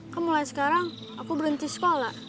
kamu mulai sekarang aku berhenti sekolah